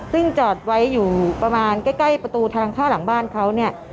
ซึ่งจอดไว้อยู่ประมาณใกล้ประตูทางเข้าหลังบ้านเขาเนี่ย